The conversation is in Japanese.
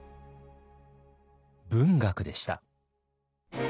文学でした。